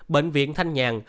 bệnh viện thanh nhàng